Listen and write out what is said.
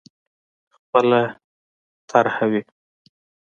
خپله طرح وي.